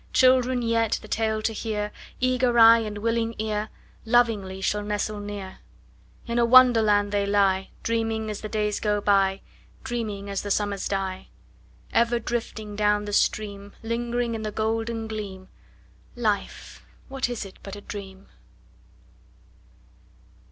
Children yet, the tale to hear, Eager eye and willing ear, Lovingly shall nestle near. In a Wonderland they lie, Dreaming as the days go by, Dreaming as the summers die: Ever drifting down the stream— Lingering in the golden gleam— Life, what is it but a dream?